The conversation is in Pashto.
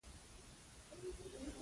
سپینه رڼا له دروازې راوتله.